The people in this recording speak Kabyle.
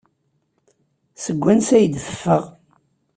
Seg wansi ay d-teffeɣ?